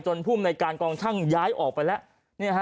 ภูมิในการกองช่างย้ายออกไปแล้ว